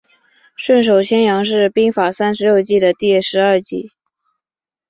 顺手牵羊是兵法三十六计的第十二计。